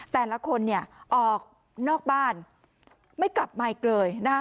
แต่ละคนเนี่ยออกนอกบ้านไม่กลับมาอีกเลยนะคะ